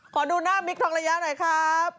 ขอดูหน้ามิคทองระยะหน่อยครับ